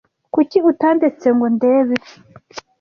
Kuki utandetse ngo ndebe?